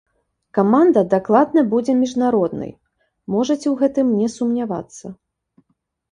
Каманда дакладна будзе міжнароднай, можаце ў гэтым не сумнявацца.